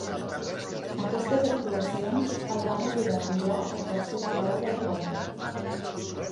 Aquestes actuacions el van ajudar a pujar al tercer esglaó del podi.